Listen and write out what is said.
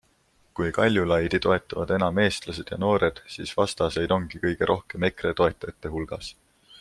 Kui Kaljulaidi toetavad enam eestlased ja noored, siis vastaseid ongi kõige rohkem EKRE toetajate hulgas.